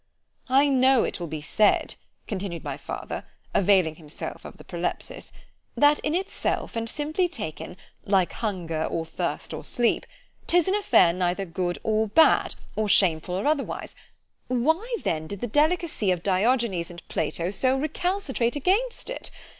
I know it will be said, continued my father (availing himself of the Prolepsis), that in itself, and simply taken——like hunger, or thirst, or sleep——'tis an affair neither good or bad—or shameful or otherwise.——Why then did the delicacy of Diogenes and Plato so recalcitrate against it?